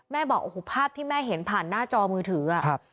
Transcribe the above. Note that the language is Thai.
บอกโอ้โหภาพที่แม่เห็นผ่านหน้าจอมือถือ